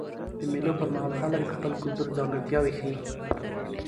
د مېلو پر مهال خلک د خپل کلتور ځانګړتیاوي ښیي.